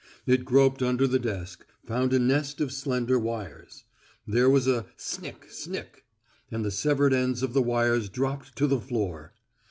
It groped under the desk, found a nest of slender wires. There was a "Snick snick!" and the severed ends of the wires dropped to the floor.